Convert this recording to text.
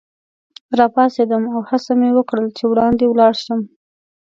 راپاڅېدم او هڅه مې وکړل چي وړاندي ولاړ شم.